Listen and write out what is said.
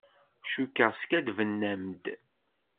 Cukkeɣ skaddben-am-d.